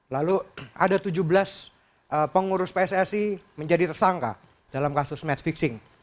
lalu ada tujuh belas pengurus pssi menjadi tersangka dalam kasus match fixing